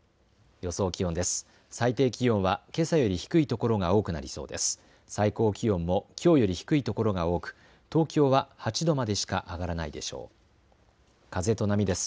予想気温です。